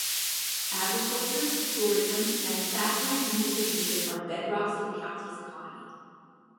Agriculture, tourism, manufacturing, and distribution are bedrocks of the county's economy.